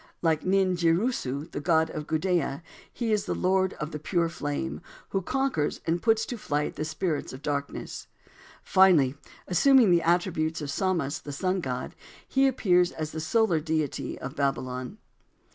Like Nin Girsu, the god of Gudea, he is the "Lord of the pure flame, who conquers and puts to flight the spirits of darkness." Finally assuming the attributes of Samas, the Sun God, he appears as the solar deity of Babylon.